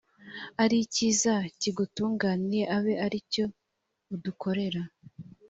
ari cyiza kigutunganiye abe ari cyo udukorera